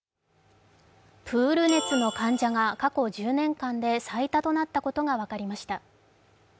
プール熱の患者が過去１０年間で最多となったことが分かりました。